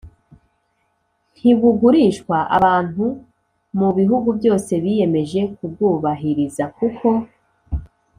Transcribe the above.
ntibugurishwa. abantu mu bihugu byose biyemeje kubwubahiriza, kuko